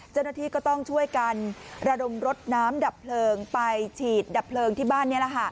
เจ้าหน้าที่ก็ต้องช่วยกันระดมรถน้ำดับเพลิงไปฉีดดับเพลิงที่บ้าน